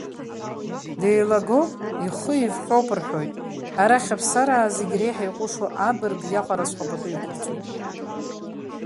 Деилагоуп, ихы еивҟьоуп рҳәоит, арахь аԥсараа зегь реиҳа иҟәышу абырг иаҟараҵәҟьа пату иқәырҵоит.